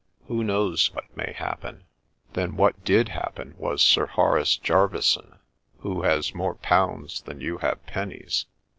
Who knows what may happen?' Then what did happen was Sir Horace Jerveyson, who has more pounds than you have pennies.